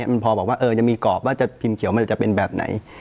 มันพอบอกว่าจะมีกรอบว่าจะพิมพ์เขียวมันจะเป็นแบบไหน